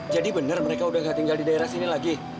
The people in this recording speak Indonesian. jadi bener mereka udah gak tinggal di daerah sini lagi